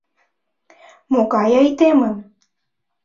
— Могай айдемым?